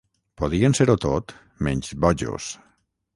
Podien ser-ho tot menys bojos.